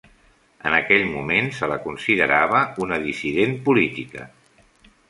En aquell moment, se la considerava una dissident política.